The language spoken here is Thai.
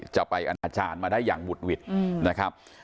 ไปอนาจารย์มาได้อย่างบุดหวิดนะครับ